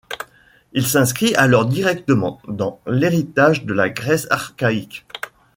Il s'inscrit alors directement dans l'héritage de la Grèce archaïque.